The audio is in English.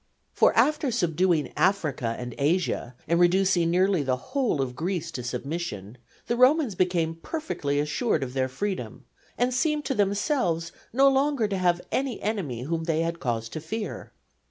For after subduing Africa and Asia, and reducing nearly the whole of Greece to submission, the Romans became perfectly assured of their freedom, and seemed to themselves no longer to have any enemy whom they had cause to fear.